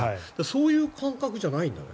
そういう感覚じゃないんだね。